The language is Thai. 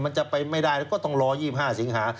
จะไปไม่ได้แล้วก็ต้องรอ๒๕สิงหา